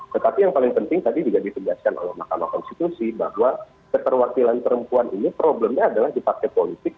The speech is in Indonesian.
tetapi yang paling penting tadi juga ditegaskan oleh mahkamah konstitusi bahwa keterwakilan perempuan ini problemnya adalah di partai politik